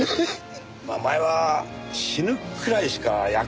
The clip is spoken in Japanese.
まあお前は死ぬくらいしか役に立たないからな。